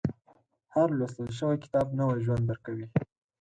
• هر لوستل شوی کتاب، نوی ژوند درکوي.